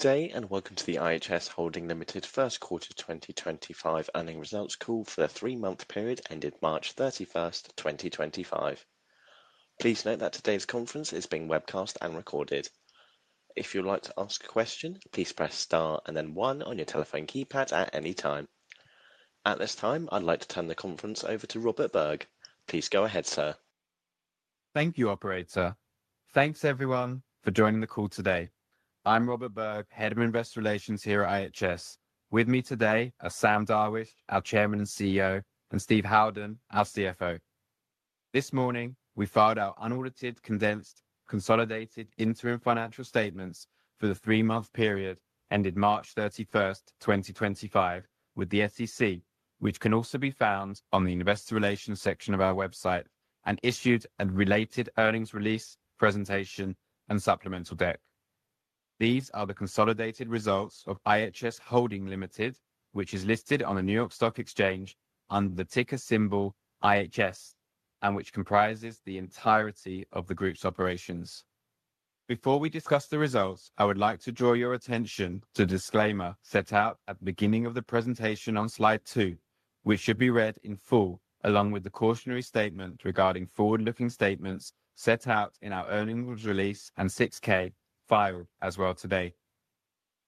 Good day and welcome to the IHS Holding Limited First Quarter 2025 earning results call for the three-month period ended March 31st, 2025. Please note that today's conference is being webcast and recorded. If you would like to ask a question, please press star and then one on your telephone keypad at any time. At this time, I'd like to turn the conference over to Robert Berg. Please go ahead, sir. Thank you, Operator. Thanks, everyone, for joining the call today. I'm Robert Berg, Head of Investor Relations here at IHS. With me today are Sam Darwish, our Chairman and CEO, and Steve Howden, our CFO. This morning, we filed our unaudited, condensed, consolidated interim financial statements for the three-month period ended March 31st, 2025, with the SEC, which can also be found on the Investor Relations section of our website, and issued a related earnings release presentation and supplemental deck. These are the consolidated results of IHS Holding Limited, which is listed on the New York Stock Exchange under the ticker symbol IHS, and which comprises the entirety of the group's operations. Before we discuss the results, I would like to draw your attention to a disclaimer set out at the beginning of the presentation on slide two, which should be read in full, along with the cautionary statement regarding forward-looking statements set out in our earnings release and 6K filed as well today.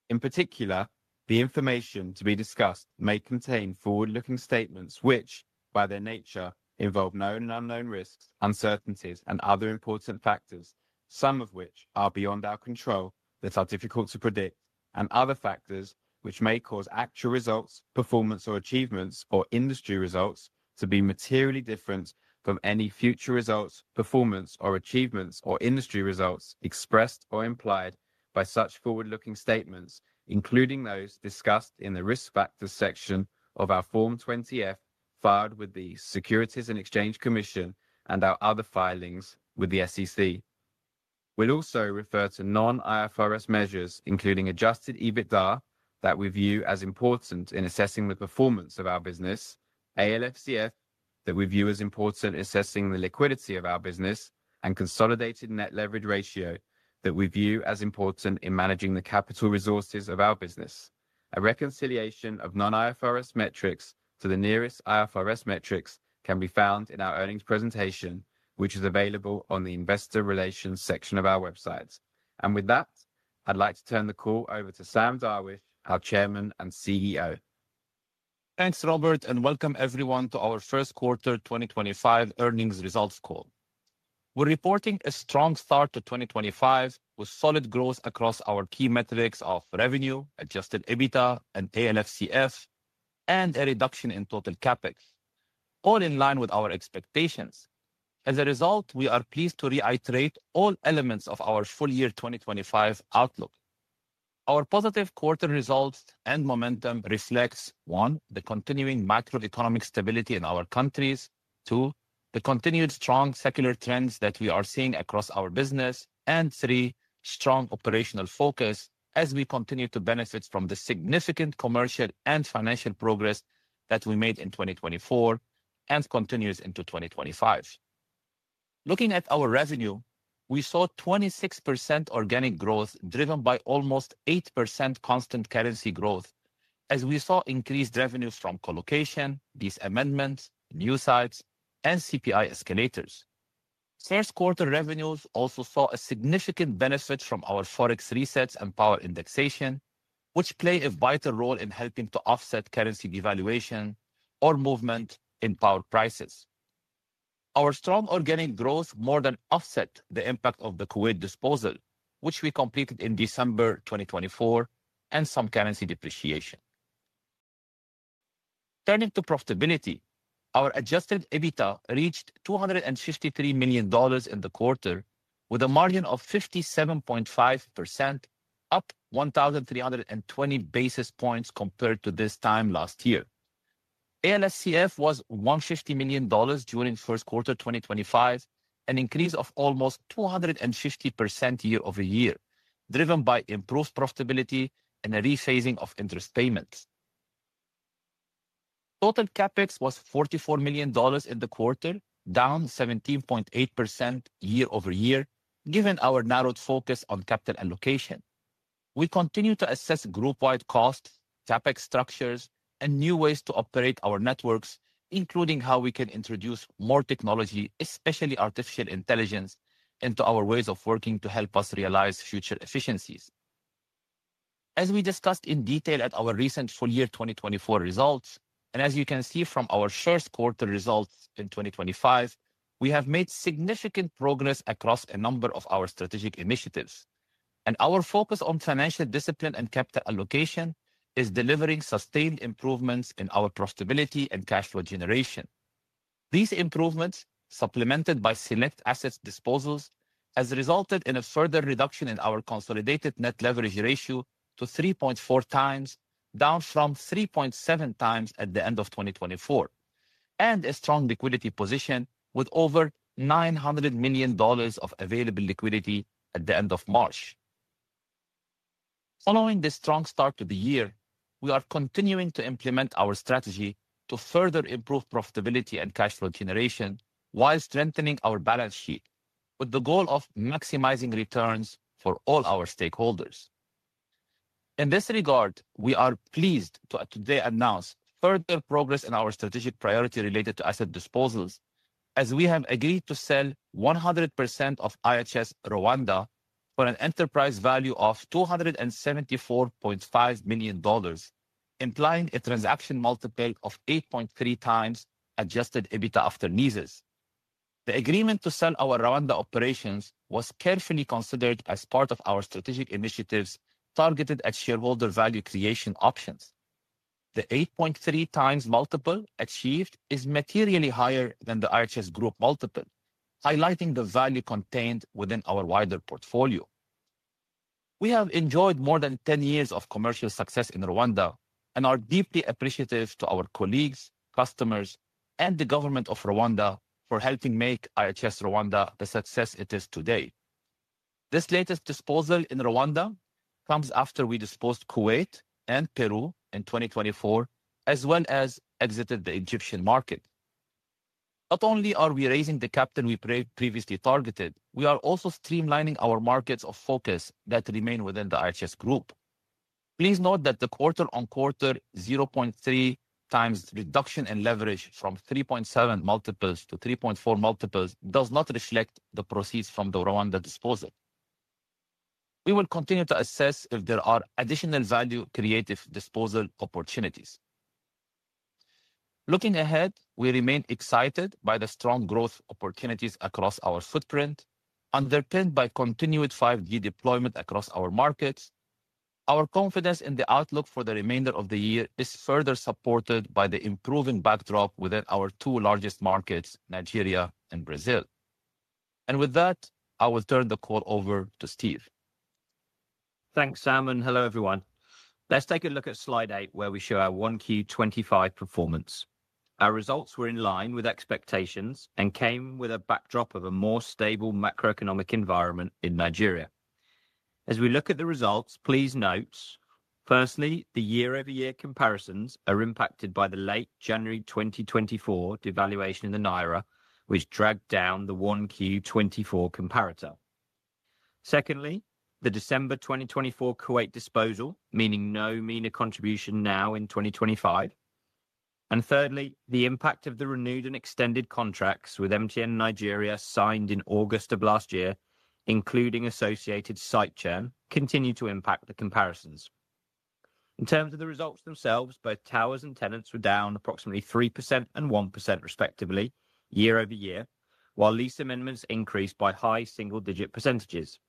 In particular, the information to be discussed may contain forward-looking statements which, by their nature, involve known and unknown risks, uncertainties, and other important factors, some of which are beyond our control that are difficult to predict, and other factors which may cause actual results, performance, or achievements, or industry results to be materially different from any future results, performance, or achievements, or industry results expressed or implied by such forward-looking statements, including those discussed in the risk factors section of our Form 20-F filed with the Securities and Exchange Commission and our other filings with the SEC. will also refer to non-IFRS measures, including adjusted EBITDA that we view as important in assessing the performance of our business, ALFCF that we view as important in assessing the liquidity of our business, and consolidated net leverage ratio that we view as important in managing the capital resources of our business. A reconciliation of non-IFRS metrics to the nearest IFRS metrics can be found in our earnings presentation, which is available on the Investor Relations section of our website. With that, I would like to turn the call over to Sam Darwish, our Chairman and CEO. Thanks, Robert, and welcome everyone to our First Quarter 2025 earnings results call. We're reporting a strong start to 2025 with solid growth across our key metrics of revenue, adjusted EBITDA, and ALFCF, and a reduction in total CapEx, all in line with our expectations. As a result, we are pleased to reiterate all elements of our full year 2025 outlook. Our positive quarter results and momentum reflects, one, the continuing macroeconomic stability in our countries, two, the continued strong secular trends that we are seeing across our business, and three, strong operational focus as we continue to benefit from the significant commercial and financial progress that we made in 2024 and continues into 2025. Looking at our revenue, we saw 26% organic growth driven by almost 8% constant currency growth, as we saw increased revenues from colocation, lease amendments, new sites, and CPI escalators. First quarter revenues also saw a significant benefit from our Forex resets and power indexation, which play a vital role in helping to offset currency devaluation or movement in power prices. Our strong organic growth more than offset the impact of the Kuwait disposal, which we completed in December 2024, and some currency depreciation. Turning to profitability, our adjusted EBITDA reached $253 million in the quarter, with a margin of 57.5%, up 1,320 basis points compared to this time last year. ALFCF was $150 million during first quarter 2025, an increase of almost 250% year over year, driven by improved profitability and a rephasing of interest payments. Total CapEx was $44 million in the quarter, down 17.8% year-over-year, given our narrowed focus on capital allocation. We continue to assess group-wide costs, CapEx structures, and new ways to operate our networks, including how we can introduce more technology, especially artificial intelligence, into our ways of working to help us realize future efficiencies. As we discussed in detail at our recent full year 2024 results, and as you can see from our first quarter results in 2025, we have made significant progress across a number of our strategic initiatives. Our focus on financial discipline and capital allocation is delivering sustained improvements in our profitability and cash flow generation. These improvements, supplemented by select asset disposals, have resulted in a further reduction in our consolidated net leverage ratio to 3.4 times, down from 3.7 times at the end of 2024, and a strong liquidity position with over $900 million of available liquidity at the end of March. Following this strong start to the year, we are continuing to implement our strategy to further improve profitability and cash flow generation while strengthening our balance sheet, with the goal of maximizing returns for all our stakeholders. In this regard, we are pleased to today announce further progress in our strategic priority related to asset disposals, as we have agreed to sell 100% of IHS Rwanda for an enterprise value of $274.5 million, implying a transaction multiple of 8.3 times adjusted EBITDA after NISS. The agreement to sell our Rwanda operations was carefully considered as part of our strategic initiatives targeted at shareholder value creation options. The 8.3 times multiple achieved is materially higher than the IHS Group multiple, highlighting the value contained within our wider portfolio. We have enjoyed more than 10 years of commercial success in Rwanda and are deeply appreciative to our colleagues, customers, and the government of Rwanda for helping make IHS Rwanda the success it is today. This latest disposal in Rwanda comes after we disposed Kuwait and Peru in 2024, as well as exited the Egyptian market. Not only are we raising the capital we previously targeted, we are also streamlining our markets of focus that remain within the IHS Group. Please note that the quarter-on-quarter 0.3 times reduction in leverage from 3.7 multiples to 3.4 multiples does not reflect the proceeds from the Rwanda disposal. We will continue to assess if there are additional value-creative disposal opportunities. Looking ahead, we remain excited by the strong growth opportunities across our footprint, underpinned by continued 5G deployment across our markets. Our confidence in the outlook for the remainder of the year is further supported by the improving backdrop within our two largest markets, Nigeria and Brazil. With that, I will turn the call over to Steve. Thanks, Sam, and hello, everyone. Let's take a look at slide eight, where we show our 1Q 2025 performance. Our results were in line with expectations and came with a backdrop of a more stable macroeconomic environment in Nigeria. As we look at the results, please note, firstly, the year-over-year comparisons are impacted by the late January 2024 devaluation in the Naira, which dragged down the 1Q 2024 comparator. Secondly, the December 2024 Kuwait disposal, meaning no MENA contribution now in 2025. Thirdly, the impact of the renewed and extended contracts with MTN Nigeria signed in August of last year, including associated site churn, continued to impact the comparisons. In terms of the results themselves, both towers and tenants were down approximately 3% and 1%, respectively, year-over-year, while lease amendments increased by high single-digit percentages.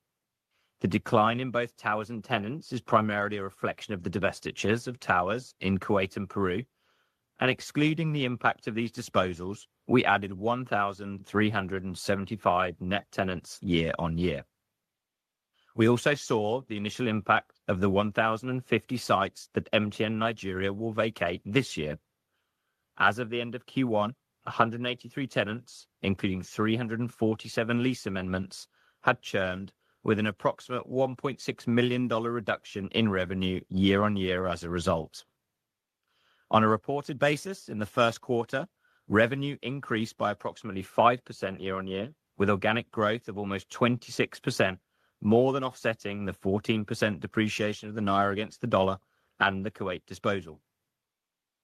The decline in both towers and tenants is primarily a reflection of the divestitures of towers in Kuwait and Peru, and excluding the impact of these disposals, we added 1,375 net tenants year-on-year. We also saw the initial impact of the 1,050 sites that MTN Nigeria will vacate this year. As of the end of Q1, 183 tenants, including 347 lease amendments, had churned, with an approximate $1.6 million reduction in revenue year on year as a result. On a reported basis, in the first quarter, revenue increased by approximately 5% year-on-year, with organic growth of almost 26%, more than offsetting the 14% depreciation of the Naira against the dollar and the Kuwait disposal.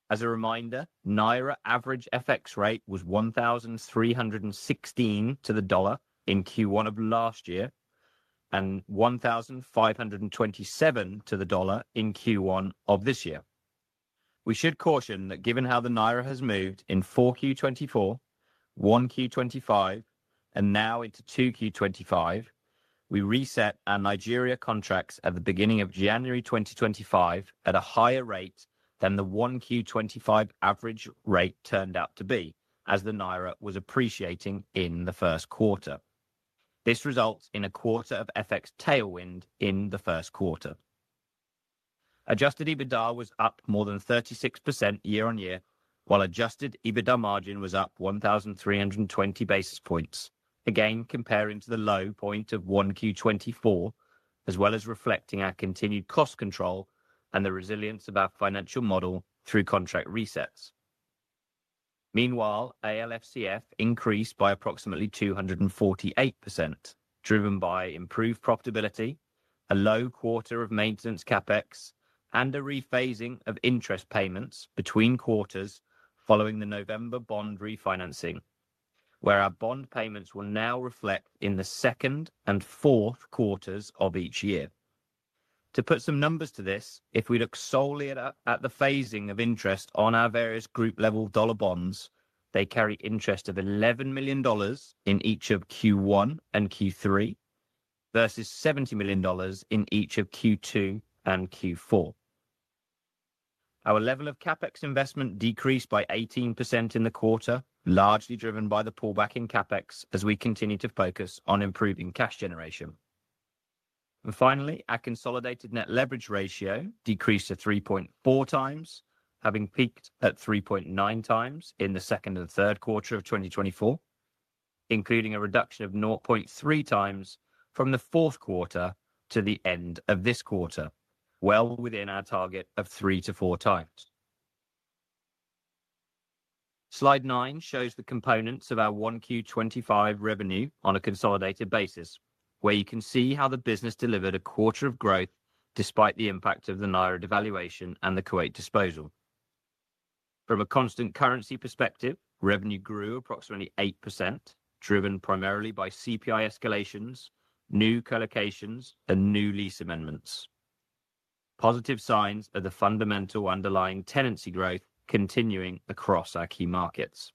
As a reminder, Naira average FX rate was 1,316 to the dollar in Q1 of last year and 1,527 to the dollar in Q1 of this year. We should caution that given how the Naira has moved in Q4 2024, Q1 2025, and now into Q2 2025, we reset our Nigeria contracts at the beginning of January 2025 at a higher rate than the Q1 2025 average rate turned out to be, as the Naira was appreciating in the first quarter. This results in a quarter of FX tailwind in the first quarter. Adjusted EBITDA was up more than 36% year on year, while adjusted EBITDA margin was up 1,320 basis points, again comparing to the low point of Q1 2024, as well as reflecting our continued cost control and the resilience of our financial model through contract resets. Meanwhile, ALFCF increased by approximately 248%, driven by improved profitability, a low quarter of maintenance CapEx, and a rephasing of interest payments between quarters following the November bond refinancing, where our bond payments will now reflect in the second and fourth quarters of each year. To put some numbers to this, if we look solely at the phasing of interest on our various group-level dollar bonds, they carry interest of $11 million in each of Q1 and Q3 versus $70 million in each of Q2 and Q4. Our level of CapEx investment decreased by 18% in the quarter, largely driven by the pullback in CapEx as we continue to focus on improving cash generation. Finally, our consolidated net leverage ratio decreased to 3.4 times, having peaked at 3.9 times in the second and third quarter of 2024, including a reduction of 0.3 times from the fourth quarter to the end of this quarter, well within our target of three to four times. Slide nine shows the components of our 1Q 2025 revenue on a consolidated basis, where you can see how the business delivered a quarter of growth despite the impact of the Naira devaluation and the Kuwait disposal. From a constant currency perspective, revenue grew approximately 8%, driven primarily by CPI escalators, new colocations, and new lease amendments. Positive signs are the fundamental underlying tenancy growth continuing across our key markets.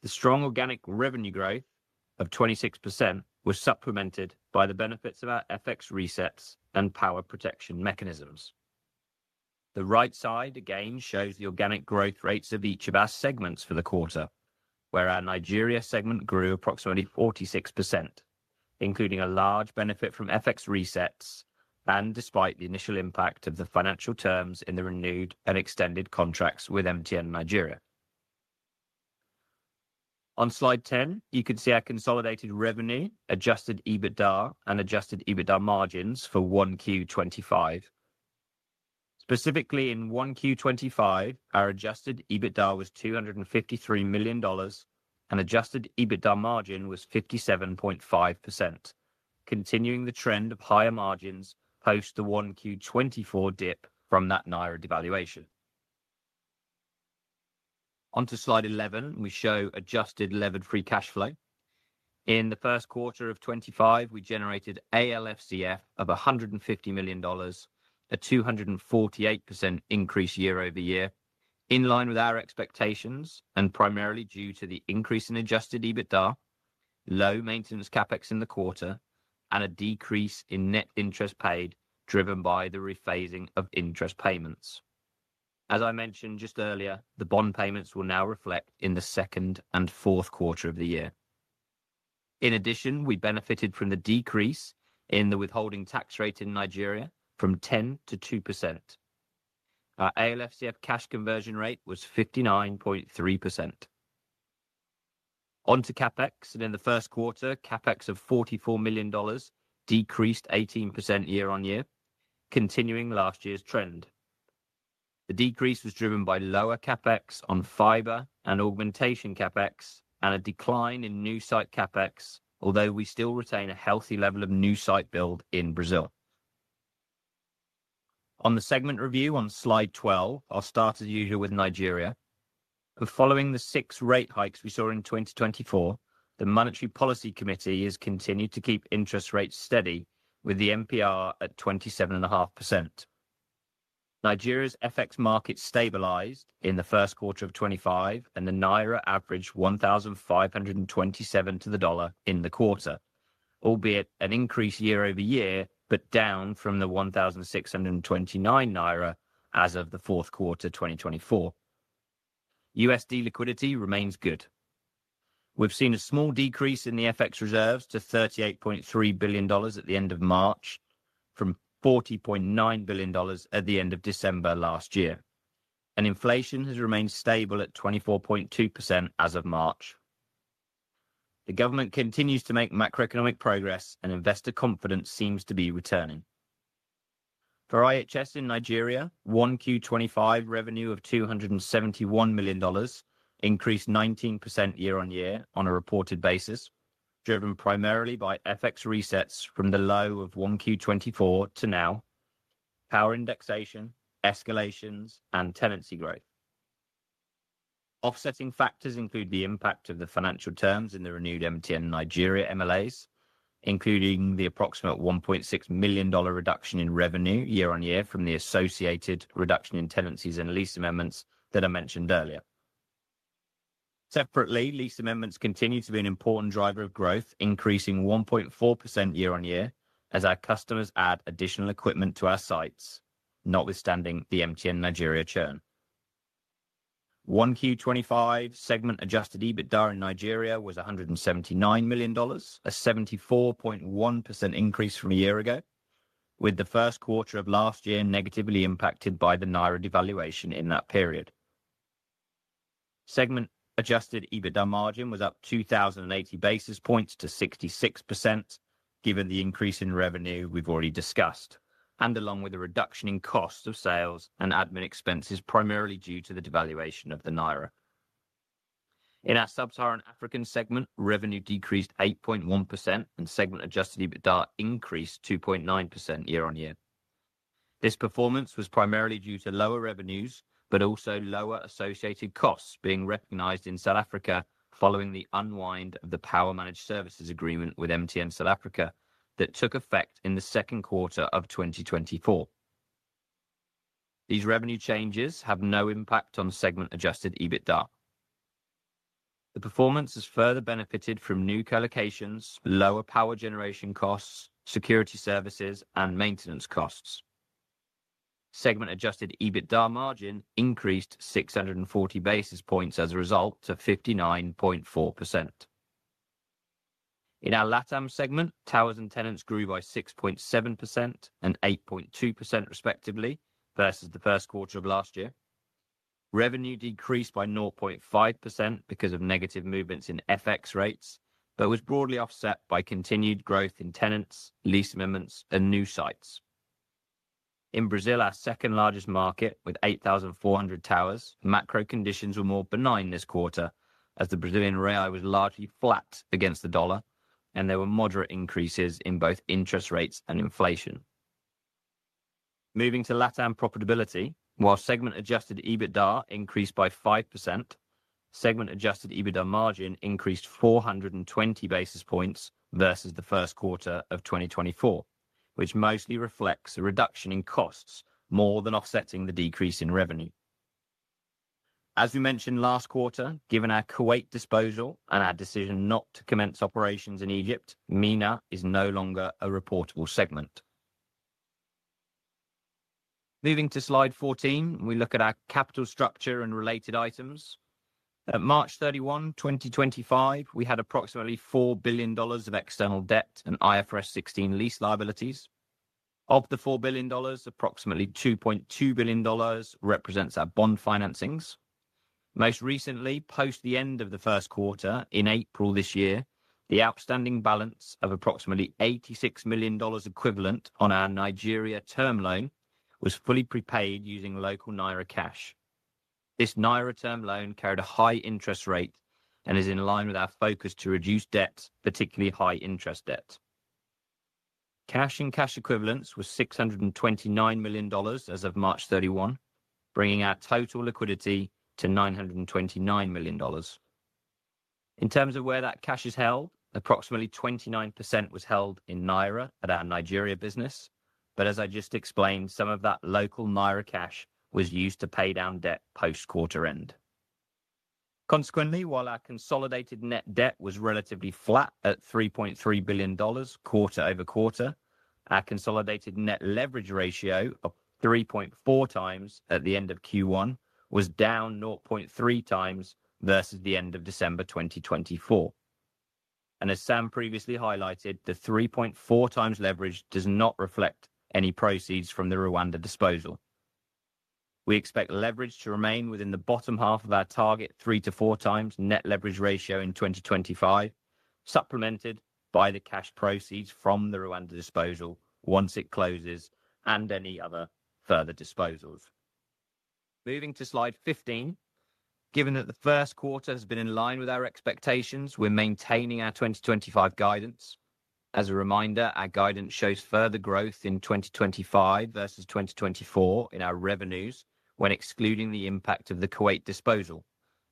The strong organic revenue growth of 26% was supplemented by the benefits of our FX resets and power protection mechanisms. The right side again shows the organic growth rates of each of our segments for the quarter, where our Nigeria segment grew approximately 46%, including a large benefit from FX resets and despite the initial impact of the financial terms in the renewed and extended contracts with MTN Nigeria. On slide 10, you can see our consolidated revenue, adjusted EBITDA, and adjusted EBITDA margins for 1Q 2025. Specifically, in 1Q 2025, our adjusted EBITDA was $253 million and adjusted EBITDA margin was 57.5%, continuing the trend of higher margins post the 1Q 2024 dip from that Naira devaluation. Onto slide 11, we show adjusted levered free cash flow. In the first quarter of 2025, we generated ALFCF of $150 million, a 248% increase year over year, in line with our expectations and primarily due to the increase in adjusted EBITDA, low maintenance CapEx in the quarter, and a decrease in net interest paid driven by the rephasing of interest payments. As I mentioned just earlier, the bond payments will now reflect in the second and fourth quarter of the year. In addition, we benefited from the decrease in the withholding tax rate in Nigeria from 10% to 2%. Our ALFCF cash conversion rate was 59.3%. Onto CapEx, and in the first quarter, CapEx of $44 million decreased 18% year on year, continuing last year's trend. The decrease was driven by lower CapEx on fiber and augmentation CapEx and a decline in new site CapEx, although we still retain a healthy level of new site build in Brazil. On the segment review on slide 12, I'll start as usual with Nigeria. Following the six rate hikes we saw in 2024, the Monetary Policy Committee has continued to keep interest rates steady with the MPR at 27.5%. Nigeria's FX market stabilized in the first quarter of 2025, and the Naira averaged 1,527 to the dollar in the quarter, albeit an increase year over year, but down from the 1,629 naira as of the fourth quarter 2024. USD liquidity remains good. We've seen a small decrease in the FX reserves to $38.3 billion at the end of March from $40.9 billion at the end of December last year, and inflation has remained stable at 24.2% as of March. The government continues to make macroeconomic progress, and investor confidence seems to be returning. For IHS in Nigeria, 1Q 2025 revenue of $271 million increased 19% year on year on a reported basis, driven primarily by FX resets from the low of 1Q 2024 to now, power indexation, escalations, and tenancy growth. Offsetting factors include the impact of the financial terms in the renewed MTN Nigeria MLAs, including the approximate $1.6 million reduction in revenue year on year from the associated reduction in tenancies and lease amendments that I mentioned earlier. Separately, lease amendments continue to be an important driver of growth, increasing 1.4% year on year as our customers add additional equipment to our sites, notwithstanding the MTN Nigeria churn. 1Q 2025 segment adjusted EBITDA in Nigeria was $179 million, a 74.1% increase from a year ago, with the first quarter of last year negatively impacted by the Naira devaluation in that period. Segment adjusted EBITDA margin was up 2,080 basis points to 66%, given the increase in revenue we've already discussed, and along with a reduction in cost of sales and admin expenses, primarily due to the devaluation of the Naira. In our sub-Saharan African segment, revenue decreased 8.1%, and segment adjusted EBITDA increased 2.9% year on year. This performance was primarily due to lower revenues, but also lower associated costs being recognized in South Africa following the unwind of the power managed services agreement with MTN South Africa that took effect in the second quarter of 2024. These revenue changes have no impact on segment adjusted EBITDA. The performance has further benefited from new colocations, lower power generation costs, security services, and maintenance costs. Segment adjusted EBITDA margin increased 640 basis points as a result to 59.4%. In our LATAM segment, towers and tenants grew by 6.7% and 8.2% respectively versus the first quarter of last year. Revenue decreased by 0.5% because of negative movements in FX rates, but was broadly offset by continued growth in tenants, lease amendments, and new sites. In Brazil, our second largest market with 8,400 towers, macro conditions were more benign this quarter as the Brazilian real was largely flat against the dollar, and there were moderate increases in both interest rates and inflation. Moving to LATAM profitability, while segment adjusted EBITDA increased by 5%, segment adjusted EBITDA margin increased 420 basis points versus the first quarter of 2024, which mostly reflects a reduction in costs more than offsetting the decrease in revenue. As we mentioned last quarter, given our Kuwait disposal and our decision not to commence operations in Egypt, MENA is no longer a reportable segment. Moving to slide 14, we look at our capital structure and related items. At March 31, 2025, we had approximately $4 billion of external debt and IFRS 16 lease liabilities. Of the $4 billion, approximately $2.2 billion represents our bond financings. Most recently, post the end of the first quarter in April this year, the outstanding balance of approximately NGN 86 million equivalent on our Nigeria term loan was fully prepaid using local Naira cash. This Naira term loan carried a high interest rate and is in line with our focus to reduce debt, particularly high interest debt. Cash and cash equivalents were $629 million as of March 31, bringing our total liquidity to $929 million. In terms of where that cash is held, approximately 29% was held in Naira at our Nigeria business, but as I just explained, some of that local Naira cash was used to pay down debt post quarter end. Consequently, while our consolidated net debt was relatively flat at $3.3 billion quarter-over-quarter, our consolidated net leverage ratio of 3.4 times at the end of Q1 was down 0.3 times versus the end of December 2024. As Sam previously highlighted, the 3.4 times leverage does not reflect any proceeds from the Rwanda disposal. We expect leverage to remain within the bottom half of our target, three to four times net leverage ratio in 2025, supplemented by the cash proceeds from the Rwanda disposal once it closes and any other further disposals. Moving to slide 15, given that the first quarter has been in line with our expectations, we're maintaining our 2025 guidance. As a reminder, our guidance shows further growth in 2025 versus 2024 in our revenues when excluding the impact of the Kuwait disposal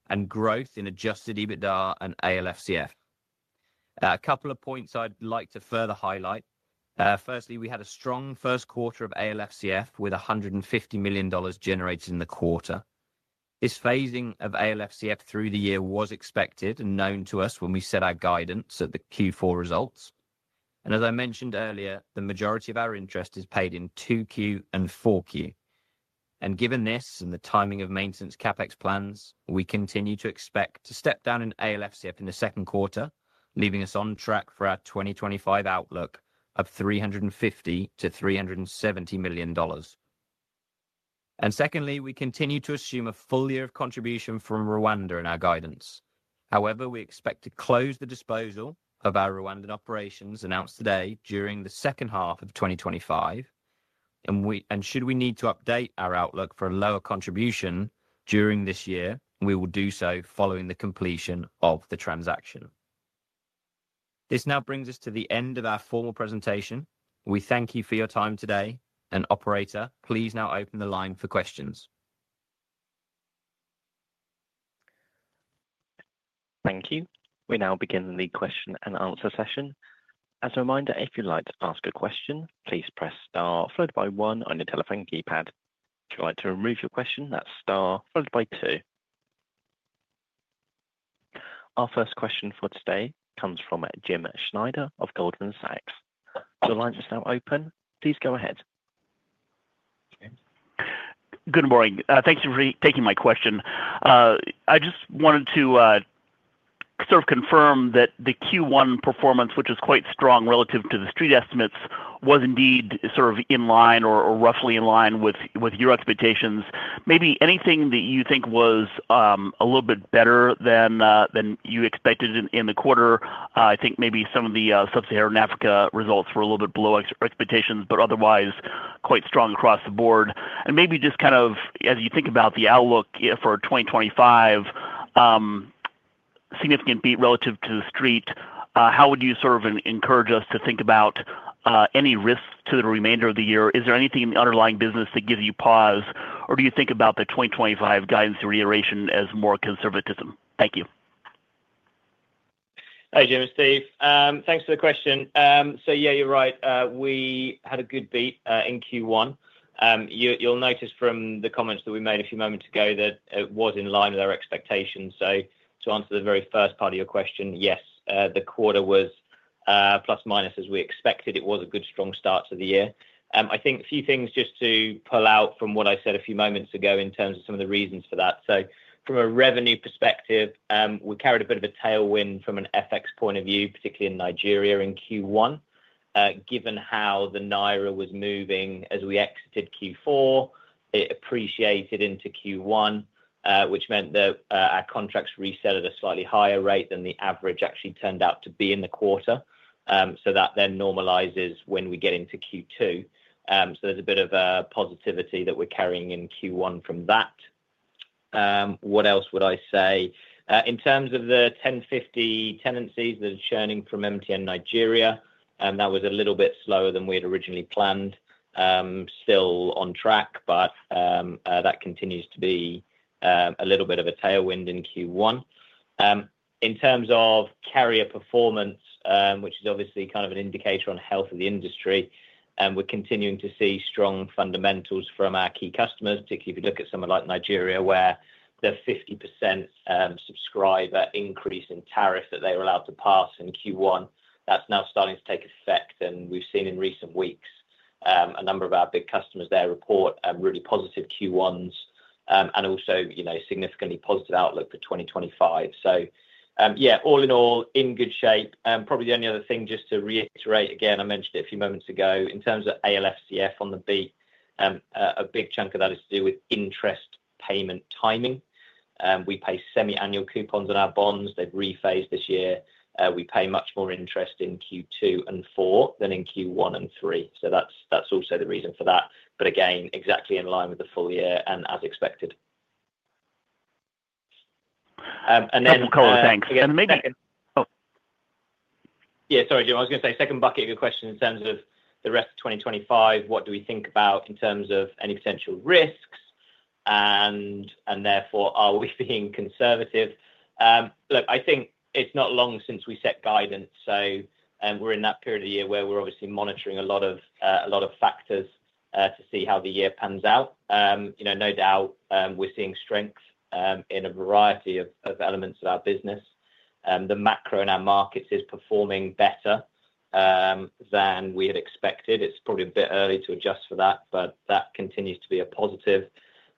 and growth in adjusted EBITDA and ALFCF. A couple of points I'd like to further highlight. Firstly, we had a strong first quarter of ALFCF with $150 million generated in the quarter. This phasing of ALFCF through the year was expected and known to us when we set our guidance at the Q4 results. As I mentioned earlier, the majority of our interest is paid in 2Q and 4Q. Given this and the timing of maintenance CapEx plans, we continue to expect to step down in ALFCF in the second quarter, leaving us on track for our 2025 outlook of $350-$370 million. Secondly, we continue to assume a full year of contribution from Rwanda in our guidance. However, we expect to close the disposal of our Rwandan operations announced today during the second half of 2025. Should we need to update our outlook for a lower contribution during this year, we will do so following the completion of the transaction. This now brings us to the end of our formal presentation. We thank you for your time today. Operator, please now open the line for questions. Thank you. We now begin the question and answer session. As a reminder, if you'd like to ask a question, please press star followed by one on your telephone keypad. If you'd like to remove your question, that's star followed by two. Our first question for today comes from Jim Schneider of Goldman Sachs. The line is now open. Please go ahead. Good morning. Thanks for taking my question. I just wanted to sort of confirm that the Q1 performance, which was quite strong relative to the street estimates, was indeed sort of in line or roughly in line with your expectations. Maybe anything that you think was a little bit better than you expected in the quarter. I think maybe some of the Sub-Saharan Africa results were a little bit below expectations, but otherwise quite strong across the board. Maybe just kind of as you think about the outlook for 2025, significant beat relative to the street, how would you sort of encourage us to think about any risks to the remainder of the year? Is there anything in the underlying business that gives you pause, or do you think about the 2025 guidance reiteration as more conservatism? Thank you. Hi, Jim. It's Steve. Thanks for the question. So yeah, you're right. We had a good beat in Q1. You'll notice from the comments that we made a few moments ago that it was in line with our expectations. To answer the very first part of your question, yes, the quarter was plus minus as we expected. It was a good, strong start to the year. I think a few things just to pull out from what I said a few moments ago in terms of some of the reasons for that. From a revenue perspective, we carried a bit of a tailwind from an FX point of view, particularly in Nigeria in Q1. Given how the Naira was moving as we exited Q4, it appreciated into Q1, which meant that our contracts resettled at a slightly higher rate than the average actually turned out to be in the quarter. That then normalizes when we get into Q2. There is a bit of positivity that we are carrying in Q1 from that. What else would I say? In terms of the 1,050 tenancies that are churning from MTN Nigeria, that was a little bit slower than we had originally planned. Still on track, but that continues to be a little bit of a tailwind in Q1. In terms of carrier performance, which is obviously kind of an indicator on health of the industry, we are continuing to see strong fundamentals from our key customers, particularly if you look at somewhere like Nigeria, where the 50% subscriber increase in tariff that they were allowed to pass in Q1, that is now starting to take effect. We have seen in recent weeks a number of our big customers there report really positive Q1s and also significantly positive outlook for 2025. Yeah, all in all, in good shape. Probably the only other thing just to reiterate again, I mentioned it a few moments ago, in terms of ALFCF on the beat, a big chunk of that is to do with interest payment timing. We pay semi-annual coupons on our bonds. They have rephased this year. We pay much more interest in Q2 and Q4 than in Q1 and Q3. That is also the reason for that. Again, exactly in line with the full year and as expected. Of course, thanks. Maybe, yeah. Sorry, Jim. I was going to say second bucket of your question in terms of the rest of 2025, what do we think about in terms of any potential risks? Therefore, are we being conservative? Look, I think it is not long since we set guidance. We're in that period of year where we're obviously monitoring a lot of factors to see how the year pans out. No doubt, we're seeing strength in a variety of elements of our business. The macro in our markets is performing better than we had expected. It's probably a bit early to adjust for that, but that continues to be a positive.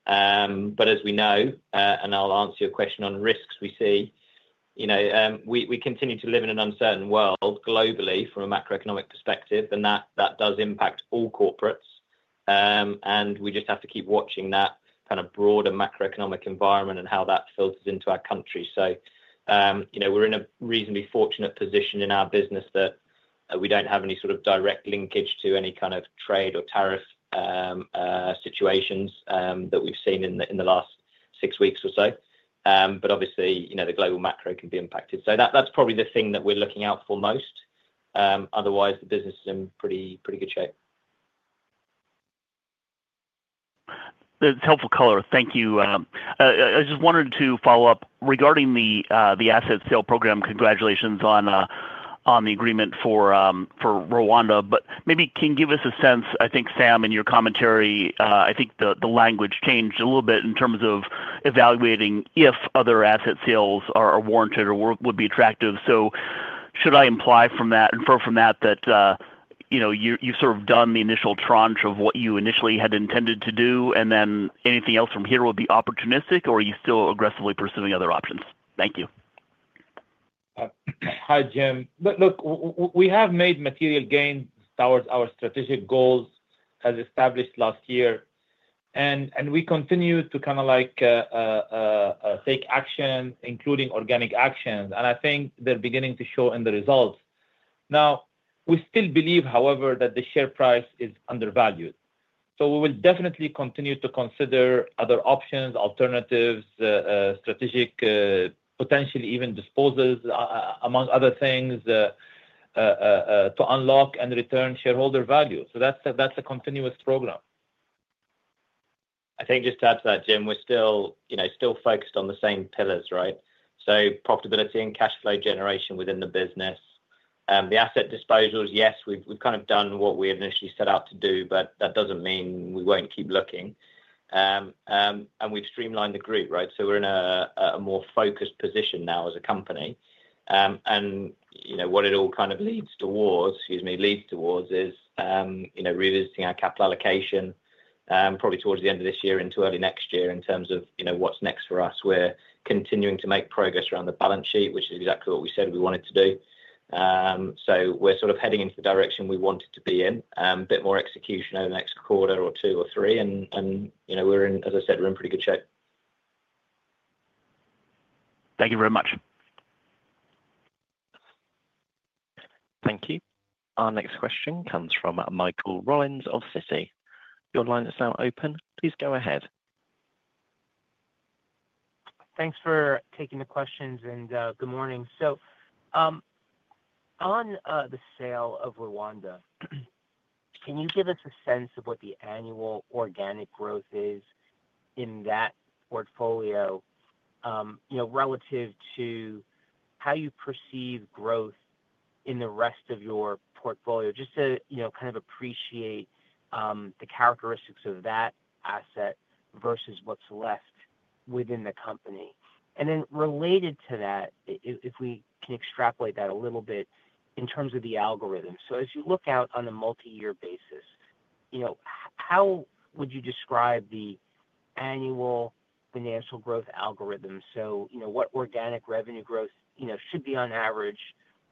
As we know, and I'll answer your question on risks we see, we continue to live in an uncertain world globally from a macroeconomic perspective, and that does impact all corporates. We just have to keep watching that kind of broader macroeconomic environment and how that filters into our country. We're in a reasonably fortunate position in our business that we do not have any sort of direct linkage to any kind of trade or tariff situations that we have seen in the last six weeks or so. Obviously, the global macro can be impacted. That is probably the thing that we are looking out for most. Otherwise, the business is in pretty good shape. That is helpful color. Thank you. I just wanted to follow up regarding the asset sale program. Congratulations on the agreement for Rwanda. Maybe can you give us a sense? I think, Sam, in your commentary, I think the language changed a little bit in terms of evaluating if other asset sales are warranted or would be attractive. Should I infer from that that you've sort of done the initial tranche of what you initially had intended to do, and then anything else from here will be opportunistic, or are you still aggressively pursuing other options? Thank you. Hi, Jim. Look, we have made material gains towards our strategic goals as established last year. We continue to kind of take action, including organic actions. I think they're beginning to show in the results. We still believe, however, that the share price is undervalued. We will definitely continue to consider other options, alternatives, strategic, potentially even disposals, among other things, to unlock and return shareholder value. That is a continuous program. I think just to add to that, Jim, we're still focused on the same pillars, right? Profitability and cash flow generation within the business. The asset disposals, yes, we've kind of done what we initially set out to do, but that doesn't mean we won't keep looking. We've streamlined the group, right? We're in a more focused position now as a company. What it all kind of leads towards is revisiting our capital allocation, probably towards the end of this year into early next year in terms of what's next for us. We're continuing to make progress around the balance sheet, which is exactly what we said we wanted to do. We're sort of heading into the direction we wanted to be in, a bit more execution over the next quarter or two or three. As I said, we're in pretty good shape. Thank you very much. Thank you. Our next question comes from Michael Rollins of Citi. Your line is now open. Please go ahead. Thanks for taking the questions and good morning. On the sale of Rwanda, can you give us a sense of what the annual organic growth is in that portfolio relative to how you perceive growth in the rest of your portfolio, just to kind of appreciate the characteristics of that asset versus what's left within the company? Related to that, if we can extrapolate that a little bit in terms of the algorithm. As you look out on a multi-year basis, how would you describe the annual financial growth algorithm? What organic revenue growth should be on average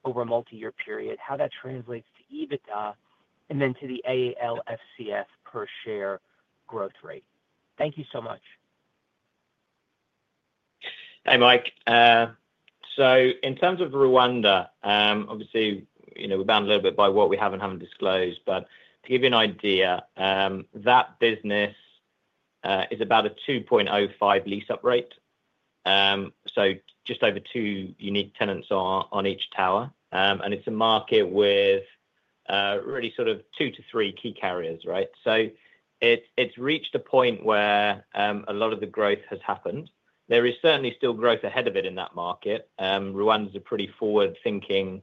over a multi-year period, how that translates to EBITDA, and then to the ALFCF per share growth rate? Thank you so much. Hi, Mike. In terms of Rwanda, obviously, we are bound a little bit by what we have and haven't disclosed. To give you an idea, that business is about a 2.05 lease-up rate. So just over two unique tenants on each tower. It is a market with really sort of two to three key carriers, right? It has reached a point where a lot of the growth has happened. There is certainly still growth ahead of it in that market. Rwanda is a pretty forward-thinking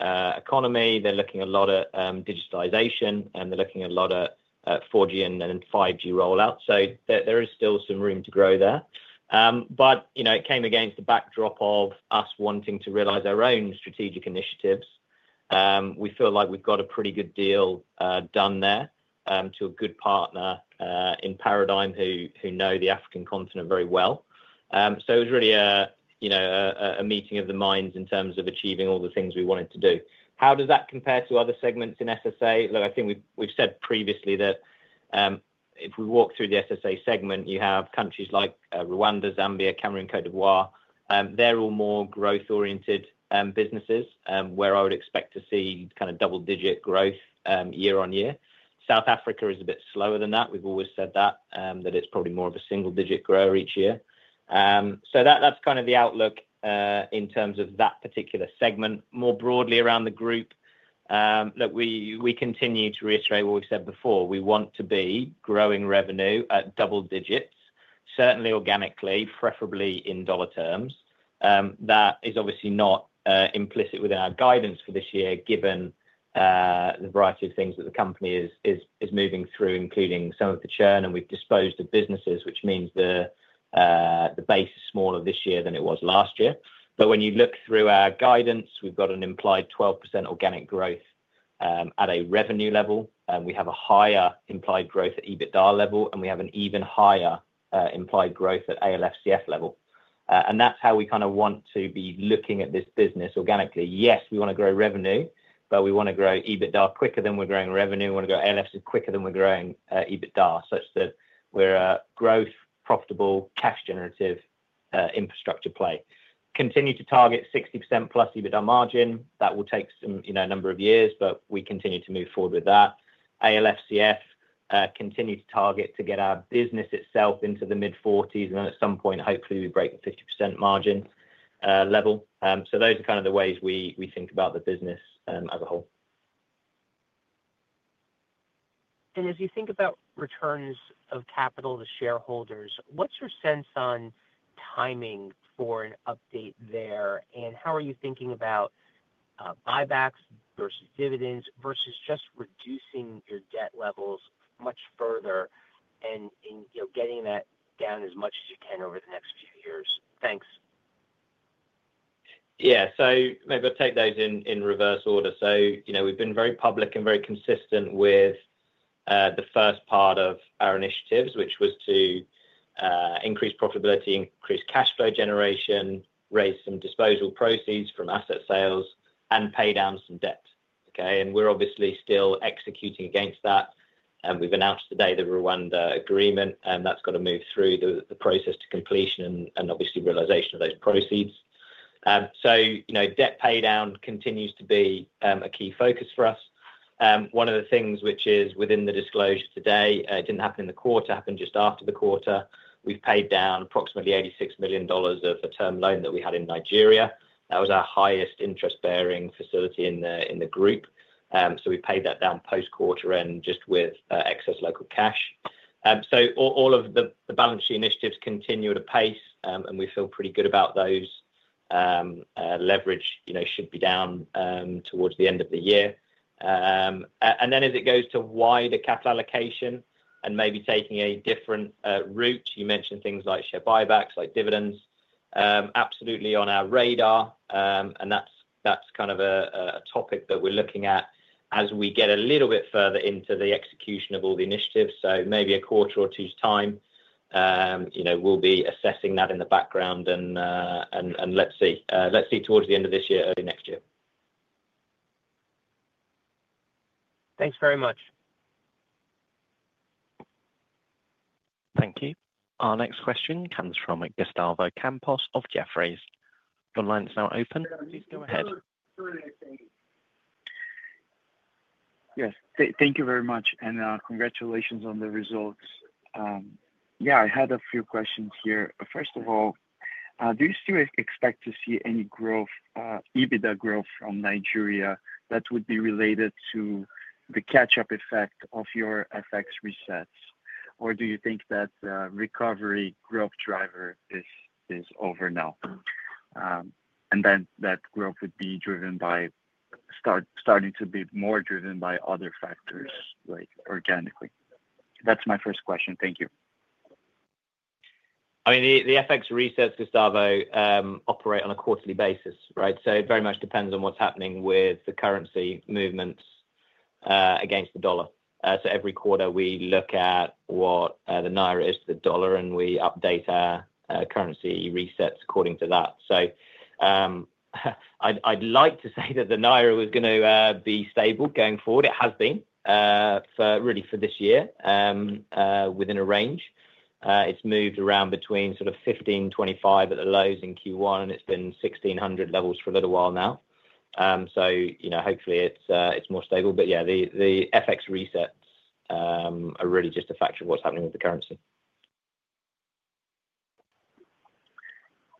economy. They are looking a lot at digitalization, and they are looking a lot at 4G and 5G rollout. There is still some room to grow there. It came against the backdrop of us wanting to realize our own strategic initiatives. We feel like we have got a pretty good deal done there to a good partner in Paradigm who know the African continent very well. It was really a meeting of the minds in terms of achieving all the things we wanted to do. How does that compare to other segments in SSA? Look, I think we've said previously that if we walk through the SSA segment, you have countries like Rwanda, Zambia, Cameroon, Côte d'Ivoire. They're all more growth-oriented businesses where I would expect to see kind of double-digit growth year on year. South Africa is a bit slower than that. We've always said that, that it's probably more of a single-digit grower each year. That's kind of the outlook in terms of that particular segment. More broadly around the group, look, we continue to reiterate what we said before. We want to be growing revenue at double digits, certainly organically, preferably in dollar terms. That is obviously not implicit within our guidance for this year, given the variety of things that the company is moving through, including some of the churn. We have disposed of businesses, which means the base is smaller this year than it was last year. When you look through our guidance, we have got an implied 12% organic growth at a revenue level. We have a higher implied growth at EBITDA level, and we have an even higher implied growth at ALFCF level. That is how we kind of want to be looking at this business organically. Yes, we want to grow revenue, but we want to grow EBITDA quicker than we are growing revenue. We want to grow ALFCF quicker than we are growing EBITDA, such that we are a growth, profitable, cash-generative infrastructure play. Continue to target 60% plus EBITDA margin. That will take a number of years, but we continue to move forward with that. ALFCF, continue to target to get our business itself into the mid-40s. At some point, hopefully, we break the 50% margin level. Those are kind of the ways we think about the business as a whole. As you think about returns of capital to shareholders, what's your sense on timing for an update there? How are you thinking about buybacks versus dividends versus just reducing your debt levels much further and getting that down as much as you can over the next few years? Thanks. Yeah. Maybe I'll take those in reverse order. We've been very public and very consistent with the first part of our initiatives, which was to increase profitability, increase cash flow generation, raise some disposal proceeds from asset sales, and pay down some debt. Okay? We are obviously still executing against that. We have announced today the Rwanda agreement, and that has to move through the process to completion and obviously realization of those proceeds. Debt paydown continues to be a key focus for us. One of the things which is within the disclosure today, it did not happen in the quarter, happened just after the quarter. We have paid down approximately $86 million of a term loan that we had in Nigeria. That was our highest interest-bearing facility in the group. We paid that down post-quarter end just with excess local cash. All of the balance sheet initiatives continue at a pace, and we feel pretty good about those. Leverage should be down towards the end of the year. As it goes to wider capital allocation and maybe taking a different route, you mentioned things like share buybacks, like dividends, absolutely on our radar. That is kind of a topic that we are looking at as we get a little bit further into the execution of all the initiatives. Maybe a quarter or two's time, we will be assessing that in the background. Let's see towards the end of this year, early next year. Thanks very much. Thank you. Our next question comes from Gustavo Campos of Jefferies. Your line is now open. Please go ahead. Yes, thank you very much, and congratulations on the results. I had a few questions here. First of all, do you still expect to see any EBITDA growth from Nigeria that would be related to the catch-up effect of your FX resets? Do you think that recovery growth driver is over now? That growth would be starting to be more driven by other factors, like organically. That is my first question. Thank you. I mean, the FX resets, Gustavo, operate on a quarterly basis, right? It very much depends on what is happening with the currency movements against the dollar. Every quarter, we look at what the Naira is to the dollar, and we update our currency resets according to that. I would like to say that the Naira was going to be stable going forward. It has been, really, for this year, within a range. It has moved around between sort of 1,525 at the lows in Q1, and it has been 1,600 levels for a little while now. Hopefully, it is more stable. Yeah, the FX resets are really just a factor of what's happening with the currency.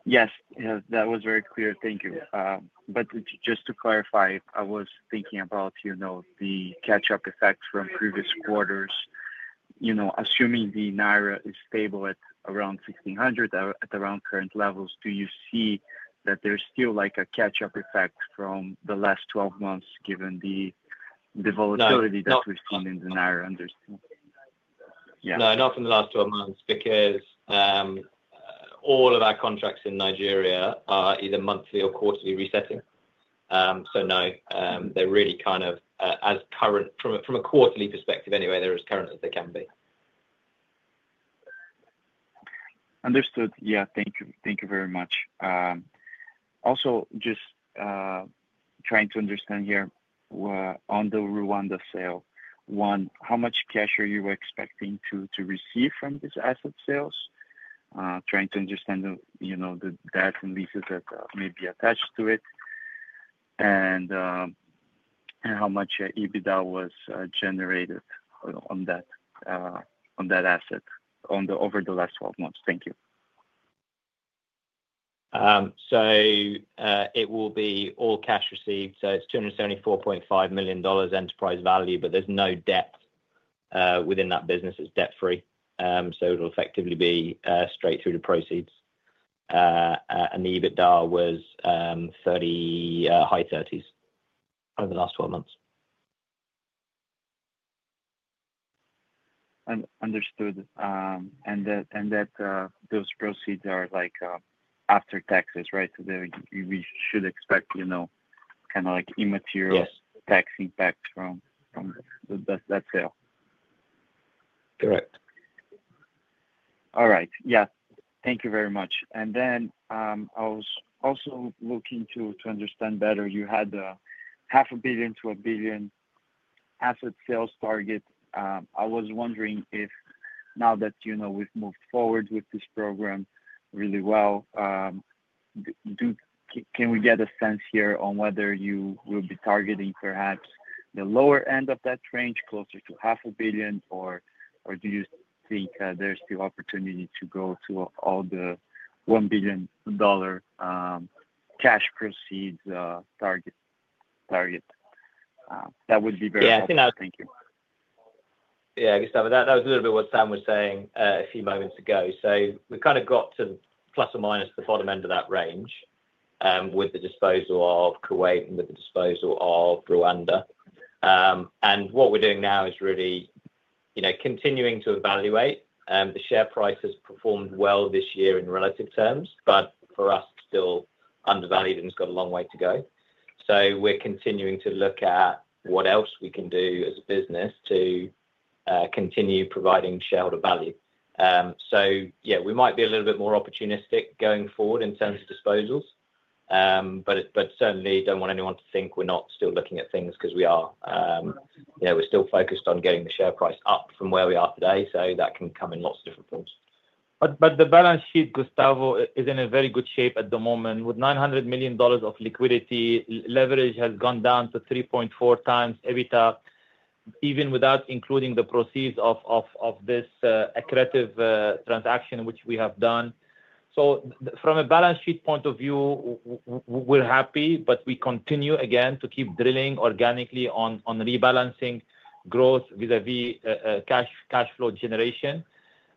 Yes. That was very clear. Thank you. Just to clarify, I was thinking about the catch-up effects from previous quarters. Assuming the Naira is stable at around 1,600, at around current levels, do you see that there's still a catch-up effect from the last 12 months, given the volatility that we've seen in the Naira? No, not from the last 12 months, because all of our contracts in Nigeria are either monthly or quarterly resetting. No, they're really kind of, from a quarterly perspective anyway, they're as current as they can be. Understood. Yeah. Thank you. Thank you very much. Also, just trying to understand here, on the Rwanda sale, one, how much cash are you expecting to receive from these asset sales? Trying to understand the debt and leases that may be attached to it. And how much EBITDA was generated on that asset over the last 12 months? Thank you. It will be all cash received. It is $274.5 million enterprise value, but there is no debt within that business. It is debt-free. It will effectively be straight through the proceeds. The EBITDA was high 30s over the last 12 months. Understood. Those proceeds are after taxes, right? We should expect kind of immaterial tax impact from that sale. Correct. All right. Yes. Thank you very much. I was also looking to understand better. You had half a billion to a billion asset sales target. I was wondering if, now that we've moved forward with this program really well, can we get a sense here on whether you will be targeting perhaps the lower end of that range, closer to $500,000,000, or do you think there's still opportunity to go to all the $1 billion cash proceeds target? That would be very helpful. Yeah. I think that's—thank you. Yeah, Gustavo, that was a little bit what Sam was saying a few moments ago. So we've kind of got to plus or minus the bottom end of that range with the disposal of Kuwait and with the disposal of Rwanda. What we're doing now is really continuing to evaluate. The share price has performed well this year in relative terms, but for us, still undervalued and has got a long way to go. We're continuing to look at what else we can do as a business to continue providing shareholder value. Yeah, we might be a little bit more opportunistic going forward in terms of disposals, but certainly do not want anyone to think we're not still looking at things because we are. We're still focused on getting the share price up from where we are today. That can come in lots of different forms. The balance sheet, Gustavo, is in very good shape at the moment. With $900 million of liquidity, leverage has gone down to 3.4 times EBITDA, even without including the proceeds of this accretive transaction, which we have done. From a balance sheet point of view, we're happy, but we continue again to keep drilling organically on rebalancing growth vis-à-vis cash flow generation.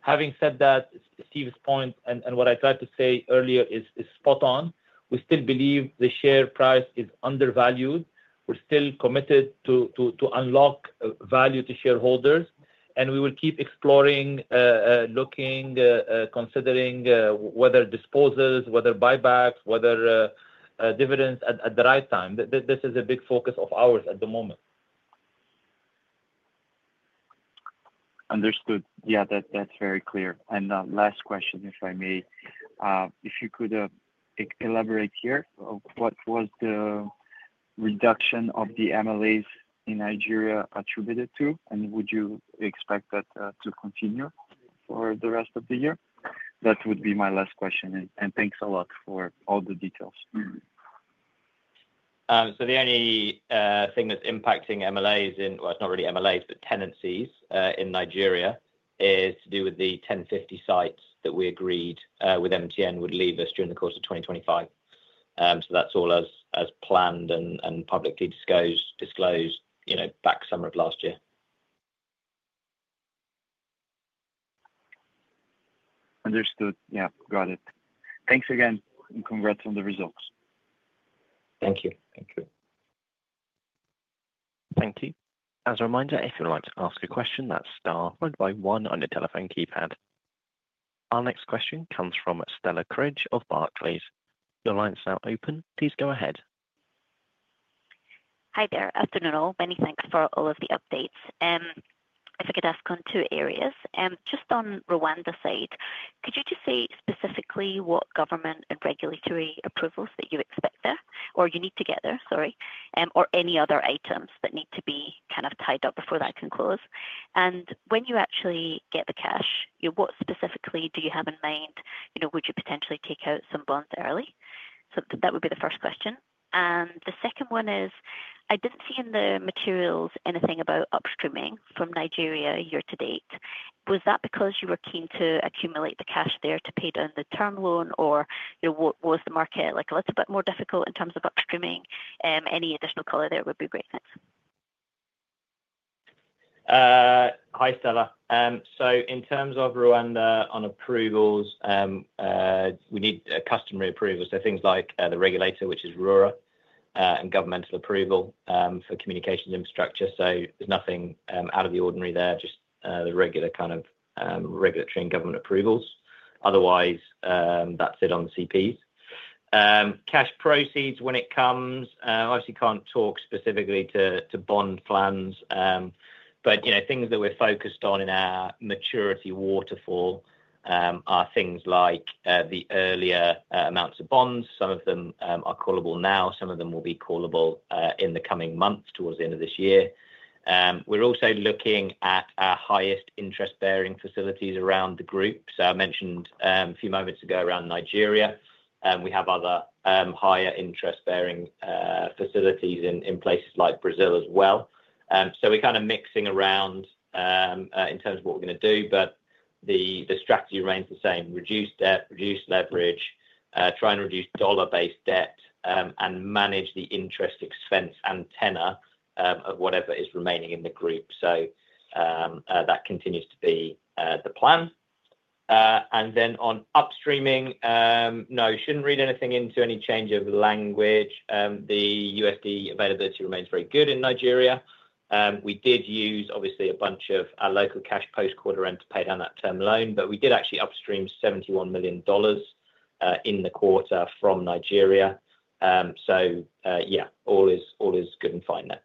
Having said that, Steve's point and what I tried to say earlier is spot on. We still believe the share price is undervalued. We're still committed to unlock value to shareholders, and we will keep exploring, looking, considering whether disposals, whether buybacks, whether dividends at the right time. This is a big focus of ours at the moment. Understood. Yeah, that's very clear. Last question, if I may, if you could elaborate here, what was the reduction of the MLAs in Nigeria attributed to, and would you expect that to continue for the rest of the year? That would be my last question. Thanks a lot for all the details. The only thing that's impacting MLAs in—not really MLAs, but tenancies in Nigeria—is to do with the 1,050 sites that we agreed with MTN would leave us during the course of 2025. That's all as planned and publicly disclosed back summer of last year. Understood. Yeah. Got it. Thanks again, and congrats on the results. Thank you. Thank you. Thank you. As a reminder, if you'd like to ask a question, that's star by one on the telephone keypad. Our next question comes from Stella Cridge of Barclays. Your line is now open. Please go ahead. Hi there. Afternoon all. Many thanks for all of the updates. If I could ask on two areas. Just on Rwanda's side, could you just say specifically what government and regulatory approvals that you expect there, or you need to get there, sorry, or any other items that need to be kind of tied up before that can close? And when you actually get the cash, what specifically do you have in mind? Would you potentially take out some bonds early? That would be the first question. The second one is, I did not see in the materials anything about upstreaming from Nigeria year to date. Was that because you were keen to accumulate the cash there to pay down the term loan, or was the market a little bit more difficult in terms of upstreaming? Any additional color there would be great. Thanks. Hi, Stella. In terms of Rwanda on approvals, we need customary approvals. Things like the regulator, which is RURA, and governmental approval for communications infrastructure. There is nothing out of the ordinary there, just the regular kind of regulatory and government approvals. Otherwise, that is it on the CPs. Cash proceeds, when it comes, I obviously cannot talk specifically to bond plans, but things that we are focused on in our maturity waterfall are things like the earlier amounts of bonds. Some of them are callable now. Some of them will be callable in the coming months towards the end of this year. We are also looking at our highest interest-bearing facilities around the group. I mentioned a few moments ago around Nigeria. We have other higher interest-bearing facilities in places like Brazil as well. We are kind of mixing around in terms of what we are going to do, but the strategy remains the same: reduce debt, reduce leverage, try and reduce dollar-based debt, and manage the interest expense antenna of whatever is remaining in the group. That continues to be the plan. On upstreaming, no, you should not read anything into any change of language. The USD availability remains very good in Nigeria. We did use, obviously, a bunch of our local cash post-quarter end to pay down that term loan, but we did actually upstream $71 million in the quarter from Nigeria. Yeah, all is good and fine there.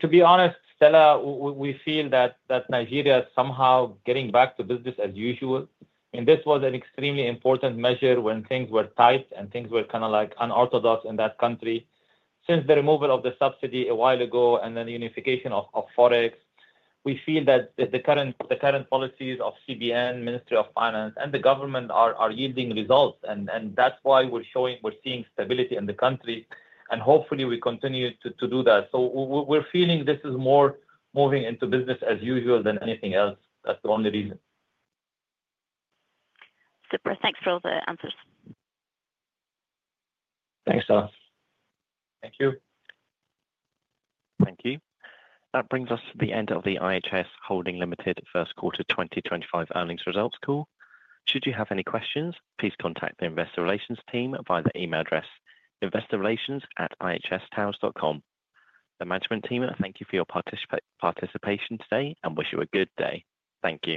To be honest, Stella, we feel that Nigeria is somehow getting back to business as usual. This was an extremely important measure when things were tight and things were kind of unorthodox in that country. Since the removal of the subsidy a while ago and then the unification of Forex, we feel that the current policies of CBN, Ministry of Finance, and the government are yielding results. That is why we are seeing stability in the country. Hopefully, we continue to do that. We are feeling this is more moving into business as usual than anything else. That is the only reason. Super. Thanks for all the answers. Thanks, Stella. Thank you. Thank you. That brings us to the end of the IHS Holding Limited first quarter 2025 earnings results call. Should you have any questions, please contact the investor relations team via the email address investorrelations@ihshouse.com. The management team thank you for your participation today and wish you a good day. Thank you.